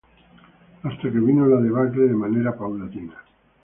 Hasta que vino la debacle de manera paulatina.